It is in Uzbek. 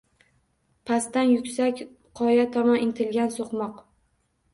Pastdan yuksak qoya tomon intilgan so’qmoq